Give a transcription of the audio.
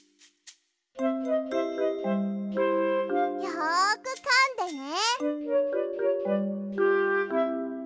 よくかんでね。